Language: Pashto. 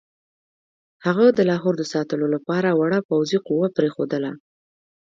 هغه د لاهور د ساتلو لپاره وړه پوځي قوه پرېښودله.